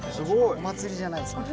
お祭りじゃないんですから。